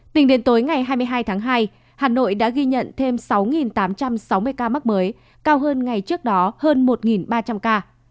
tính đến tối ngày hai mươi hai tháng hai hà nội đã ghi nhận thêm sáu tám trăm sáu mươi ca mắc mới cao hơn ngày trước đó hơn một ba trăm linh ca